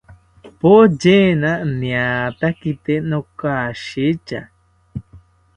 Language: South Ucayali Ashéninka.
Poyena niatakite nokashitya